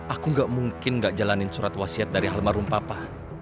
aku gak mungkin gak jalanin surat wasiat dari almarhum papa